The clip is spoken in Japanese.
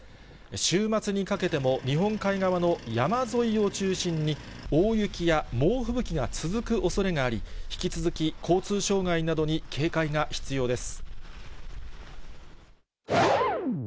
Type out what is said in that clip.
週末にかけても日本海側の山沿いを中心に、大雪や猛吹雪が続くおそれがあり、引き続き交通障害などに警戒が必要です。